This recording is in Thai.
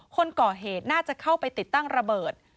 คนก่อเหตุน่าจะเข้าไปติดตั้งระเบิด